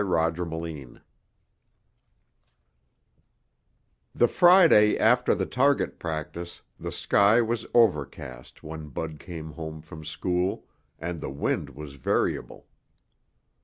chapter 5 The friday after the target practice the sky was overcast when Bud came home from school and the wind was variable.